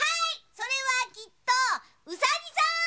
それはきっとうさぎさん！